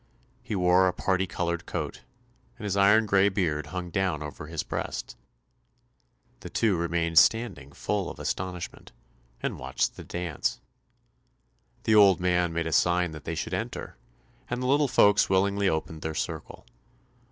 He wore a parti coloured coat, and his iron grey beard hung down over his breast. The two remained standing full of astonishment, and watched the dance. The old man made a sign that they should enter, and the little folks willingly opened their circle.